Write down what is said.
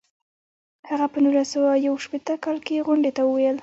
هغه په نولس سوه یو شپیته کال کې غونډې ته وویل.